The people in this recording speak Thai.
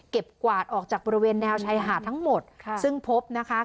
กวาดออกจากบริเวณแนวชายหาดทั้งหมดค่ะซึ่งพบนะคะ